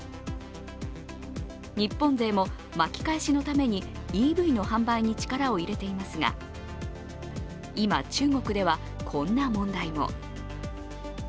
日本勢も巻き返しのためにＥＶの販売に力を入れていますが今、中国ではこんな問題も。